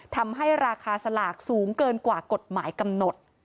ทำให้ราคาสลากสูงเกินกว่ากฎหมายกำหนด